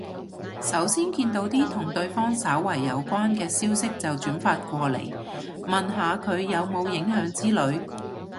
首先見到啲同對方稍為有關係嘅消息就轉發過嚟，問下佢有冇影響之類